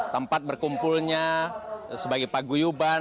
tempat berkumpulnya sebagai paguyuban